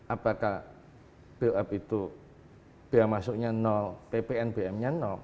apakah build up itu biaya masuknya nol ppnbm nya nol